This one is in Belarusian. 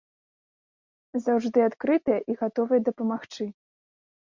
Заўжды адкрытыя і гатовыя дапамагчы.